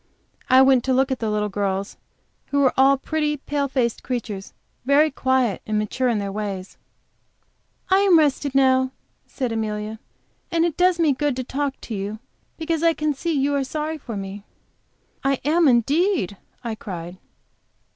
I went to look at the little girls, who were all pretty, pale faced creatures, very quiet and mature in their ways. "I am rested now," said Amelia, "and it does me good to talk to you, because I can see that you are sorry for me." "I am, indeed!" I cried.